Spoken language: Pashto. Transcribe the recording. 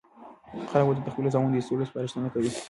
خلک به درته د خپلو زامنو د ایستلو سپارښتنه کوي.